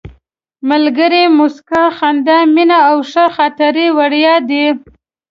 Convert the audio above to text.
ملګري، موسکا، خندا، مینه او ښې خاطرې وړیا دي.